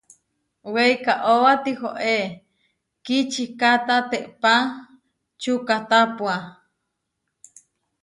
Weikaóba tihoé kihčikáta teʼpa čukkátapua.